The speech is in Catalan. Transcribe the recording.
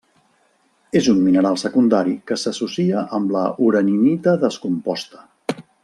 És un mineral secundari que s'associa amb la uraninita descomposta.